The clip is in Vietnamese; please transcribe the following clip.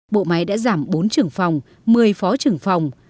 bộ máy đã giảm bốn trưởng phòng một mươi phó trưởng phòng